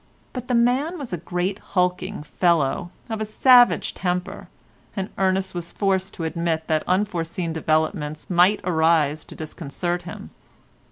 But the man was a great hulking fellow, of a savage temper, and Ernest was forced to admit that unforeseen developments might arise to disconcert him.